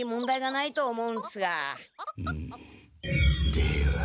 では！